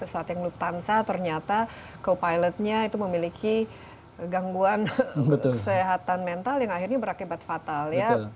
saat yang lutansa ternyata co pilotnya itu memiliki gangguan kesehatan mental yang akhirnya berakibat fatal ya